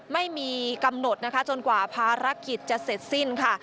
ไม่มีกำหนดนะคะจนกว่าภารกิจจะเสร็จสิ้นค่ะ